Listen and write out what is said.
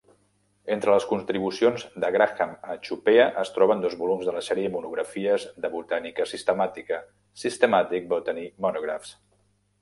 Entre les contribucions de Graham a "Cuphea" es troben dos volums de la sèrie "Monografies de Botànica Sistemàtica" (Systematic Botany Monographs).